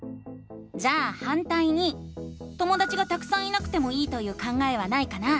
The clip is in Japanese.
じゃあ「反対に」ともだちがたくさんいなくてもいいという考えはないかな？